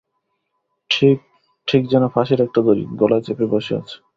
ঠিক, ঠিক যেন ফাঁসির একটা দড়ি, গলায় চেপে বসে আছে।